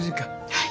はい。